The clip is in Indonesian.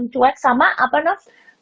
cuek sama apa nov